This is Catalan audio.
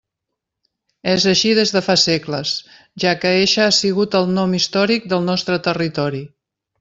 És així des de fa segles, ja que eixe ha sigut el nom d'històric del nostre territori.